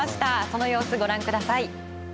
その様子ご覧ください。